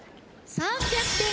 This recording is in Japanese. ３００点。